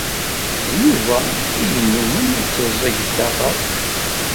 D Yuba i yennummen itteẓẓeg taɣaḍt.